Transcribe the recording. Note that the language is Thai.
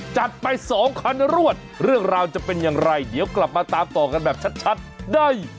จัดไปสองคันรวดเรื่องราวจะเป็นอย่างไรเดี๋ยวกลับมาตามต่อกันแบบชัดได้